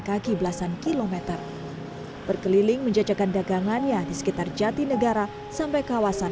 kaki belasan kilometer berkeliling menjajakan dagangannya di sekitar jatinegara sampai kawasan